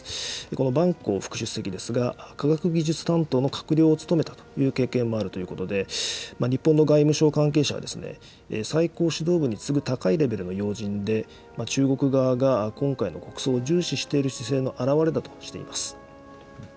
この万鋼副主席ですが、科学技術担当の閣僚を務めたという経験もあるということで、日本の外務省関係者は、最高指導部に次ぐ高いレベルの要人で、中国側が今回の国葬を重視している姿勢の表れだとしています。